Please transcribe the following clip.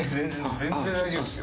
全然大丈夫ですよ。